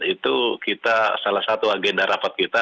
itu kita salah satu agenda rapat kita